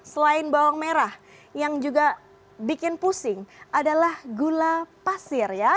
selain bawang merah yang juga bikin pusing adalah gula pasir ya